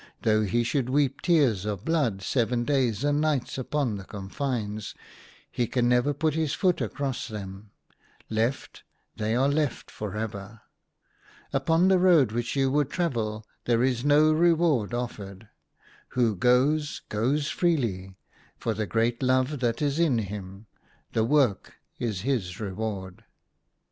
Though he should weep tears of blood seven days and nights upon the confines, he can never put his foot across them. Left — they are left for ever. Upon the road which you would travel there is no reward offered. Who goes, goes freely — for the great love that is in him. The work is his reward."